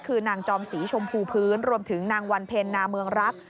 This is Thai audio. คือนางจอมศรีชมพูพื้นรวมถึงนางวันเพ็ญนาเมืองรัก